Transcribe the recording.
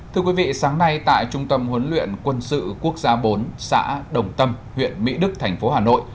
thưa quý vị sáng nay tại trung tâm huấn luyện quân sự quốc gia bốn xã đồng tâm huyện mỹ đức thành phố hà nội